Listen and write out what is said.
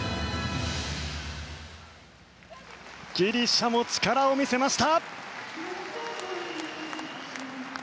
ギリシャも力を見せました。